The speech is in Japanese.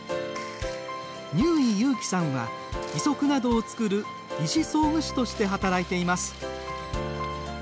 乳井勇気さんは、義足などを作る義肢装具士として働いています。